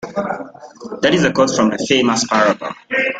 That is a quote from a famous parable.